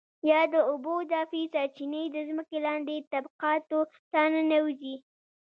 یا د اوبو اضافي سرچېنې د ځمکې لاندې طبقاتو Aquifers ته ننوځي.